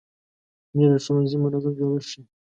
مېز د ښوونځي منظم جوړښت ښیي.